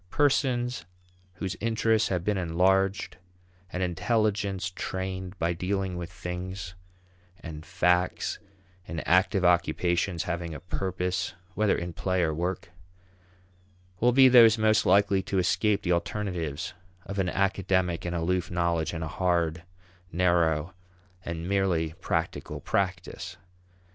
Persons whose interests have been enlarged and intelligence trained by dealing with things and facts in active occupations having a purpose (whether in play or work) will be those most likely to escape the alternatives of an academic and aloof knowledge and a hard, narrow, and merely "practical" practice.